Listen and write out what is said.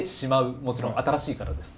もちろん新しいからです。